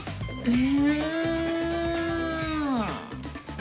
え？